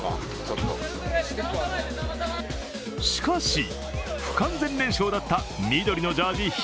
しかし、不完全燃焼だった緑のジャージ